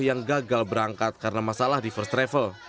yang gagal berangkat karena masalah di first travel